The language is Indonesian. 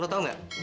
lo tau gak